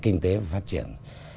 kinh tế và phát triển